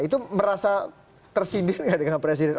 itu merasa tersindir gak dengan presiden